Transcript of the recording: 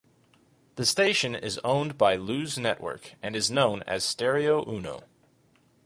The station is owned by Luz Network and is known as Stereo Uno.